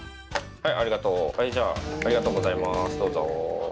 はい。